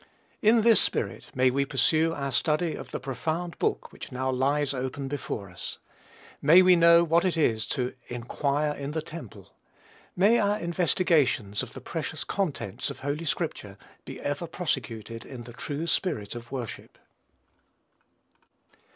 In this spirit may we pursue our study of the profound book which now lies open before us. May we know what it is to "inquire in the temple." May our investigations of the precious contents of holy scripture be ever prosecuted in the true spirit of worship.